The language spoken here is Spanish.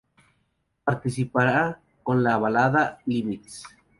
Participará con la balada ""Limits".